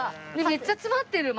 めっちゃ詰まってる！